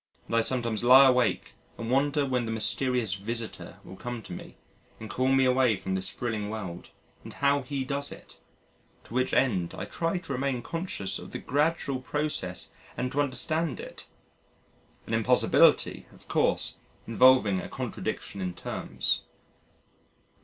And I sometimes lie awake and wonder when the mysterious Visitor will come to me and call me away from this thrilling world, and how He does it, to which end I try to remain conscious of the gradual process and to understand it: an impossibility of course involving a contradiction in terms.